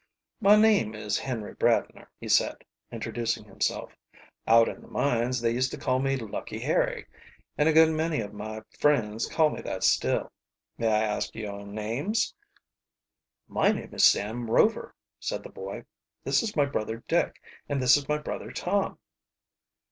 "My name is Henry Bradner," he said, introducing himself. "Out in the mines they used to call me Lucky Harry, and a good many of my friends call me that still. May I ask your names?" "My name is Sam Rover," said the boy. "This is my brother Dick, and this my brother Tom."